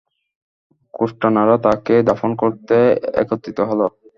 খৃষ্টানরা তাকে দাফন করতে একত্রিত হল।